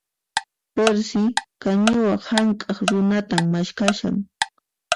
Perci, qañiwa hank'aq runatan maskhashan.